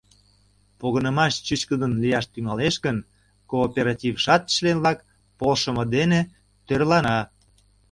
Погынымаш чӱчкыдын лияш тӱҥалеш гын, кооператившат член-влак полшымо дене тӧрлана.